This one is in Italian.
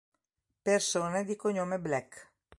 Persone di cognome Black